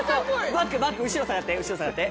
バックバック後ろ下がって後ろ下がって。